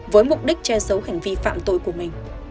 với mục đích che giấu hành vi phạm tội của mình